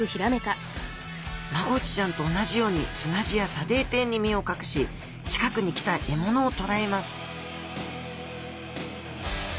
マゴチちゃんと同じように砂地や砂泥底に身を隠し近くに来た獲物を捕らえます